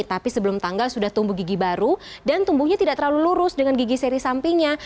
tapi sebelum tanggal sudah tumbuh gigi baru dan tumbuhnya tidak terlalu lurus dengan gigi seri sampingnya